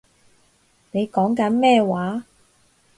你講緊咩話